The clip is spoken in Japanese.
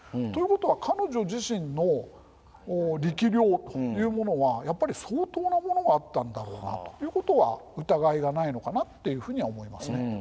ということは彼女自身の力量というものはやっぱり相当なものがあったんだろうなということは疑いがないのかなっていうふうには思いますね。